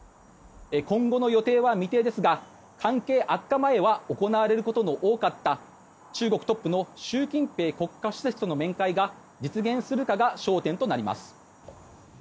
今後の予定は未定ですが関係悪化前は行われることの多かった中国トップの習近平国家主席との面会が実現するかが焦点となります。